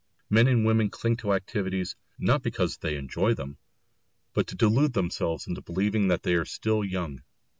Men and women cling to activities, not because they enjoy them, but to delude themselves into believing that they are still young.